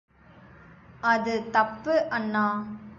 அது தப்பு அண்ணா!